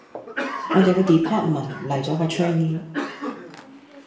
我哋個 Department 嚟咗個 Trainee